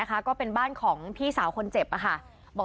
ก็เป็นบ้านของพี่สาวคนเจ็บค่ะ